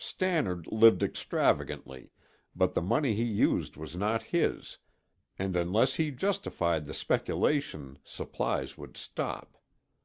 Stannard lived extravagantly, but the money he used was not his, and unless he justified the speculation supplies would stop.